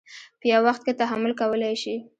په یوه وخت کې تحمل کولی شي.